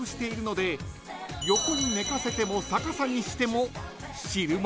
［横に寝かせても逆さにしても］